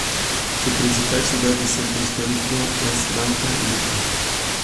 Su principal ciudad y centro histórico es Banja Luka.